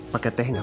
paket teh gak malem